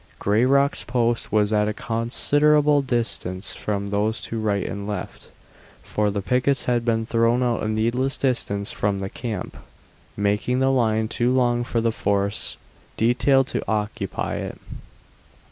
Grayrock's post was at a considerable distance from those to right and left, for the pickets had been thrown out a needless distance from the camp, making the line too long for the force detailed to occupy it.